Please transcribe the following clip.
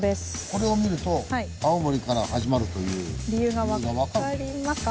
これを見ると青森から始まるという理由が分かる。